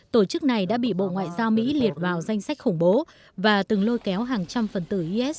tổ chức này đã bị bộ ngoại giao mỹ liệt vào danh sách khủng bố và từng lôi kéo hàng trăm phần tử is